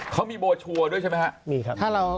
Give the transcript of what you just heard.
เขามีโบชัวร์ด้วยใช่ไหมครับมีครับ